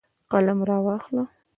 قلم راواخله